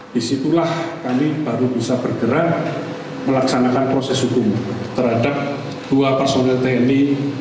disitulah kami baru bisa bergerak melaksanakan proses hukum terhadap dua personil tni